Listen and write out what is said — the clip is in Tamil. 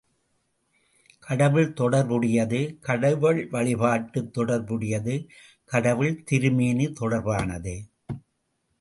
கடவுள் தொடர்புடையது கடவுள் வழிபாட்டுத் தொடர்புடையது கடவுள் திருமேனி தொடர்பானது.